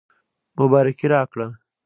مبارکي راکړه.